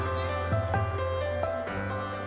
sehingga dia bisa berpengalaman dengan nelayan